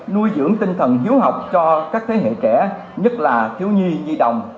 nuôi dưỡng tinh thần hiếu học cho các thế hệ trẻ nhất là thiếu nhi di đồng